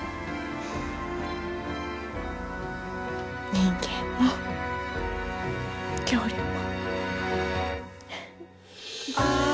人間も恐竜も。